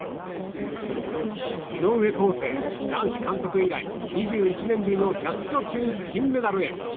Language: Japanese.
井上康生男子監督以来２１年ぶりの１００ｋｇ級金メダルへ。